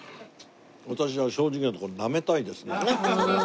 私は正直なところなめたいですね。